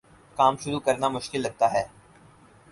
کام شروع کرنا مشکل لگتا ہے